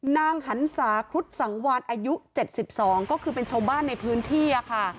นางหันศาครุฑสังวานอายุ๗๒ก็คือเป็นชาวบ้านในพื้นที่ค่ะ